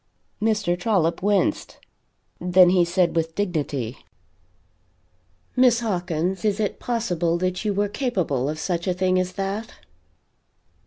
Mr. Trollop winced then he said with dignity: "Miss Hawkins is it possible that you were capable of such a thing as that?"